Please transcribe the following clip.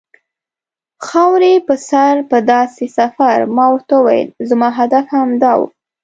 خاورې په سر پر داسې سفر، ما ورته وویل: زما هدف هم همدا و.